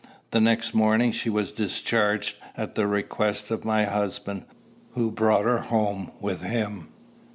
The next morning she was discharged, at the request of my husband, who brought her home with him.